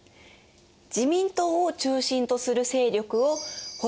自民党を中心とする勢力を「保守」。